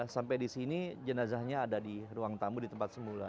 sampai di sini jenazahnya ada di ruang tamu di tempat semula